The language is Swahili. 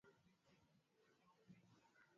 muungano huo utatetea kila nchi ya eneo lake